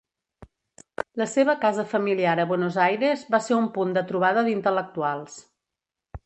La seva casa familiar a Buenos Aires va ser un punt de trobada d'intel·lectuals.